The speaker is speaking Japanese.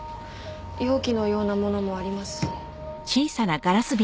容器のようなものもありますし。